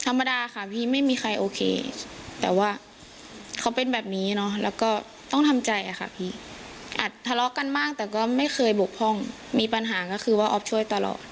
รักแค่เนี่ยค่ะไม่มีคำอธิบาย